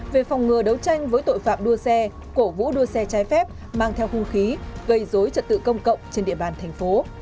về phòng ngừa đấu tranh với tội phạm đua xe cổ vũ đua xe trái phép mang theo hung khí gây dối trật tự công cộng trên địa bàn thành phố